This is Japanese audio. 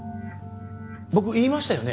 僕言いましたよね？